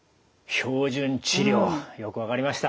標準治療よく分かりました。